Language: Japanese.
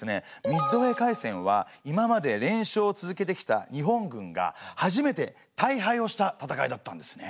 ミッドウェー海戦は今まで連勝を続けてきた日本軍が初めて大敗をした戦いだったんですね。